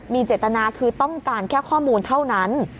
มีเจตนาคือต้องการแค่ข้อมูลเท่านั้น